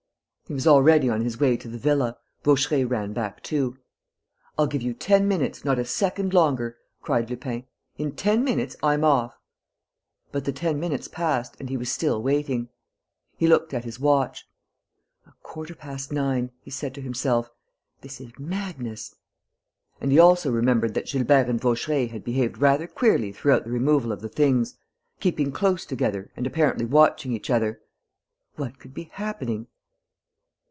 He was already on his way to the villa. Vaucheray ran back too. "I'll give you ten minutes, not a second longer!" cried Lupin. "In ten minutes, I'm off." But the ten minutes passed and he was still waiting. He looked at his watch: "A quarter past nine," he said to himself. "This is madness." And he also remembered that Gilbert and Vaucheray had behaved rather queerly throughout the removal of the things, keeping close together and apparently watching each other. What could be happening?